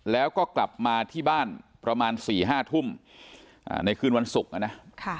แล้วก็กลับมาที่บ้านประมาณ๔๕ทุ่มในคืนวันศุกร์นะ